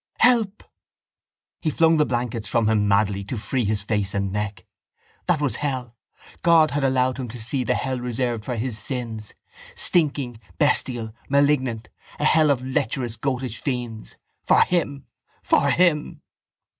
Help! He flung the blankets from him madly to free his face and neck. That was his hell. God had allowed him to see the hell reserved for his sins: stinking, bestial, malignant, a hell of lecherous goatish fiends. For him! For him!